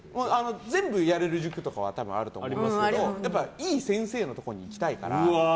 全部やれる塾とかは多分、あると思いますけどやっぱいい先生のところに行きたいから。